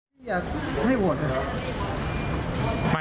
แต่ว่า